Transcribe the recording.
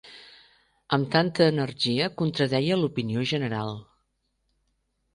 Amb tanta energia contradeia l'opinió general.